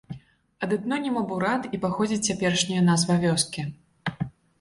Ад этноніма бурат і паходзіць цяперашняя назва вёскі.